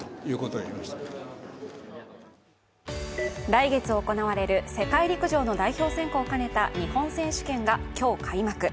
来月行われる世界陸上の代表選考を兼ねた日本選手権が今日開幕。